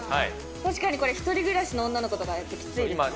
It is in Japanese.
確かにこれ、１人暮らしの女の子とかがやるときついですね。